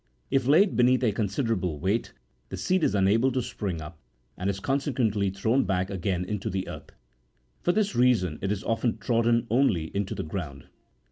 If laid beneath a considerable weight, the seed is unable to spring up, and is consequently thrown back again into the earth; for which reason it is often trodden only into the ground.